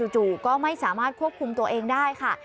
จู่ก็ไม่สามารถควบคุมตัวเองได้ค่ะ